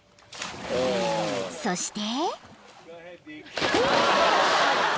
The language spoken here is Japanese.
［そして］